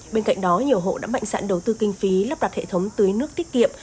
bên cạnh đó nhiều hộ đã mạnh dạn đầu tư kinh phí lắp đặt hệ thống tưới nước tiết kiệm